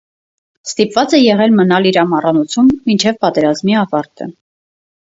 Ստիպված է եղել մնալ իր ամառանոցում մինչև պատերազմի ավարտը։